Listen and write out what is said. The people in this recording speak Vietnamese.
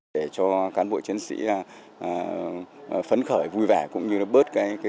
để cho cán bộ chiến sĩ phấn khởi vui vẻ cũng như bớt cái nỗi nhớ nhà nhớ đất liền